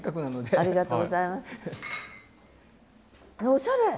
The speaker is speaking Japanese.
おしゃれ！